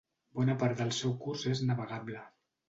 Bona part del seu curs és navegable.